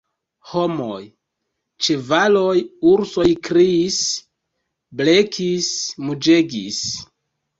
Homoj, ĉevaloj, ursoj kriis, blekis, muĝegis.